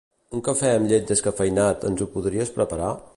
Un cafè amb llet descafeïnat, ens ho podries preparar?